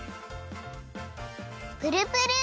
プルプル。